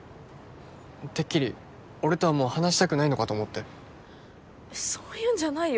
てっきり俺とはもう話したくないのかと思ってそういうんじゃないよ